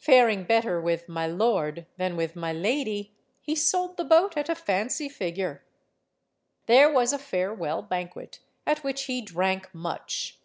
Faring better with "my lord" than with "my lady," he sold the boat at a fancy figure. There was a farewell banquet, at which he drank much.